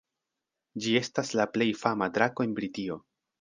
Ĝi estas la plej fama drako en Britio.